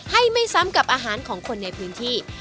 ไม่ซ้ำกับอาหารของคนในพื้นที่